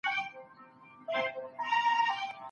د نامردو له روز ګاره سره کار وي